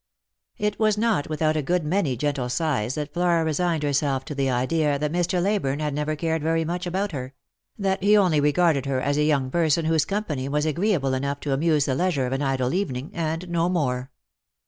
It was not without a good many gentle sighs that Flora resigned herself to the idea that Mr. Leyburne had never cared very much about her ; that he only regarded her as a young person whose company was agreeable enough to amuse the leisure of an idle evening, and no more.